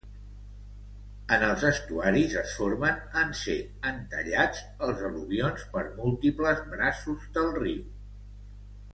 En els estuaris es formen en ser entallats els al·luvions per múltiples braços del riu.